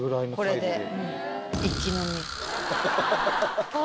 これで。